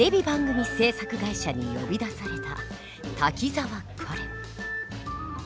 番組制作会社に呼び出された滝沢カレン。